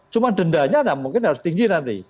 cuma dendanya mungkin harus tinggi nanti